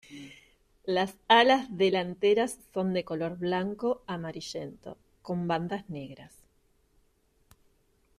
Las alas delanteras son de color blanco-amarillento con bandas negras.